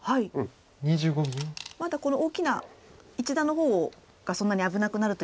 まだこの大きな一団の方がそんなに危なくなる。